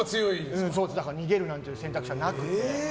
逃げるなんて選択肢はなく。